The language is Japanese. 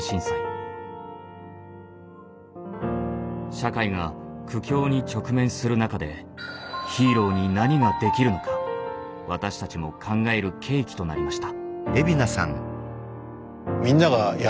社会が苦境に直面する中でヒーローに何ができるのか私たちも考える契機となりました。